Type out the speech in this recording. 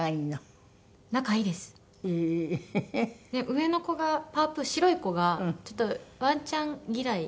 上の子がぱーぷー白い子がちょっとワンちゃん嫌い。